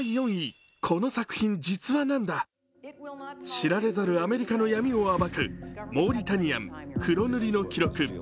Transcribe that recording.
知られざるアメリカの闇を暴く「モーリタニアン黒塗りの記録」